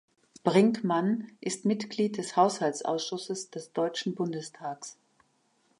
Brinkmann ist Mitglied des Haushaltsausschusses des Deutschen Bundestags.